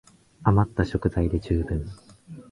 あまった食材で充分